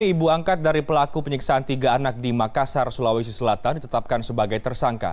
ibu angkat dari pelaku penyiksaan tiga anak di makassar sulawesi selatan ditetapkan sebagai tersangka